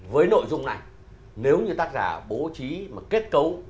với nội dung này nếu như tác giả bố trí mà kết cấu